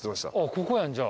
ここやんじゃあ。